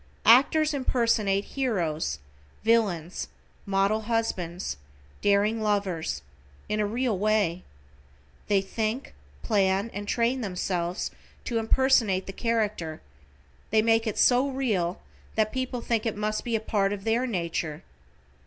Actors impersonate heroes, villains, model husbands, daring lovers, in a real way. They think, plan, and train themselves to impersonate the character, they make it so real that people think it must be a part of their nature.